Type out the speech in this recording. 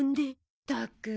ったく。